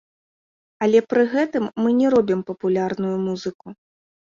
Але пры гэтым мы не робім папулярную музыку.